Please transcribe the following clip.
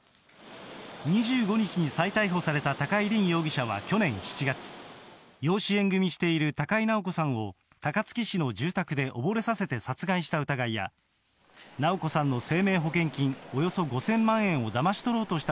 ２５日に再逮捕された高井凜容疑者は去年７月、養子縁組みしている高井直子さんを、高槻市の住宅で溺れさせて殺害した疑いや、直子さんの生命保険金およそ５０００万円をだまし取ろうとし